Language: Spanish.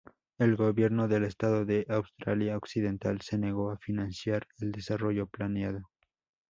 El Gobierno del Estado de Australia Occidental se negó a financiar el desarrollo planeado.